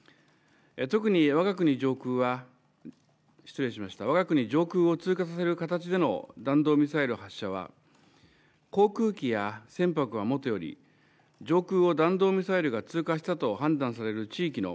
特に我が国上空を通過させる形での弾道ミサイル発射は航空機や船舶はもとより上空を弾道ミサイルが通過したと判断される地域の